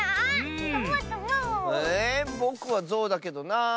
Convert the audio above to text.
えぼくはゾウだけどなあ。